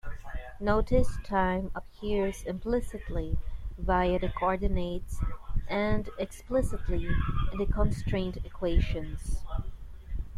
Notice time appears implicitly via the coordinates "and" explicitly in the constraint equations.